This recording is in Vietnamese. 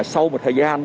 sau một thời gian